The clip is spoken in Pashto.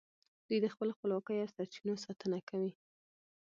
دوی د خپلې خپلواکۍ او سرچینو ساتنه کوي